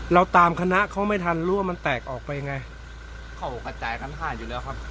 เราก็ตามคณะเขาไม่ทันรู้ว่ามันแตกออกไปยังไง